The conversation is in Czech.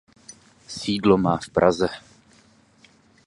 Sídlo má v Praze.